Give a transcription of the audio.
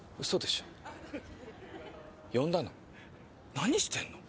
何してるの？